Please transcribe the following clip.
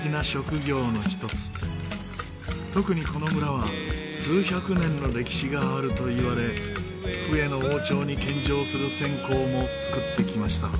特にこの村は数百年の歴史があるといわれフエの王朝に献上する線香も作ってきました。